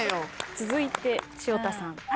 続いて潮田さん。